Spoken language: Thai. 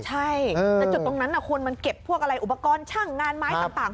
ใช่แต่จุดตรงนั้นคุณมันเก็บพวกอะไรอุปกรณ์ช่างงานไม้ต่าง